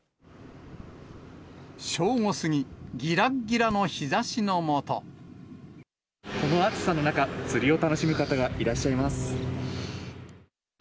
正午過ぎ、この暑さの中、釣りを楽しむ方がいらっしゃいます。